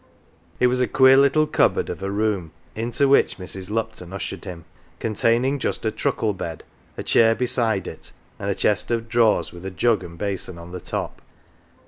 It was a queer little cupboard of a room into which Mrs. Lupton ushered him, containing just a truckle bed, a chair beside it, and a chest of drawers with a jug and basin on the top.